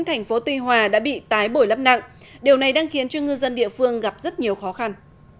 thành phố tuy hòa đã bị tái bổi lấp nặng điều này đang khiến cho ngư dân địa phương gặp rất nhiều khó khăn